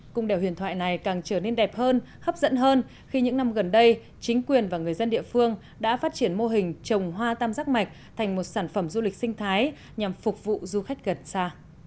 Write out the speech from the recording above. cung đèo huyền thoại này càng trở nên đẹp hơn hấp dẫn hơn khi những năm gần đây chính quyền và người dân địa phương đã phát triển mô hình trồng hoa tam giác mạch thành một sản phẩm du lịch sinh thái nhằm phục vụ du khách gần xa